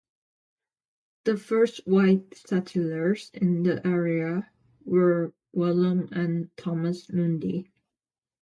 The first white settlers in the area were William and Thomas Lundie.